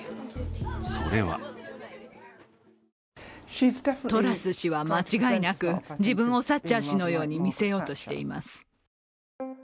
それはトラス氏は間違いなく自分をサッチャー氏のように見せようとしています。